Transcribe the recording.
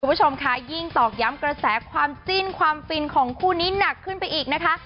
คุณผู้ชมค่ะยิ่งตอกย้ำกระแสความจิ้นความฟินของคู่นี้หนักขึ้นไปอีกนะคะ